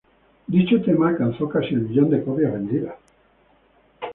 Dicho tema alcanzó casi el millón de copias vendidas.